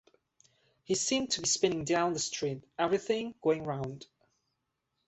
He seemed to be spinning down the street, everything going round.